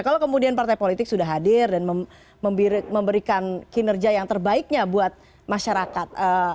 kalau kemudian partai politik sudah hadir dan memberikan kinerja yang terbaiknya buat masyarakat